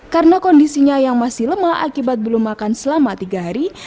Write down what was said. karena kondisinya yang masih lemah akibat belum makan selama tiga hari